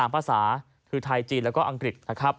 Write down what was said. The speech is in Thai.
๓ภาษาคือไทยจีนแล้วก็อังกฤษ